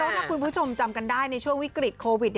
ถ้าคุณผู้ชมจำกันได้ในช่วงวิกฤตโควิด